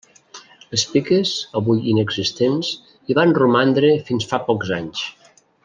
Les piques, avui inexistents, hi van romandre fins fa pocs anys.